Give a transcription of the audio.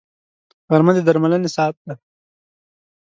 غرمه د درملنې ساعت دی